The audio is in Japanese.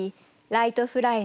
「ライトフライ」